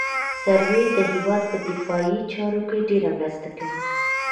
سروې د هېواد په دفاعي چارو کې ډېره مرسته کوي